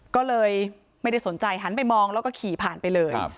ก็เลยไม่ได้สนใจหันไปมองแล้วก็ขี่ผ่านไปเลย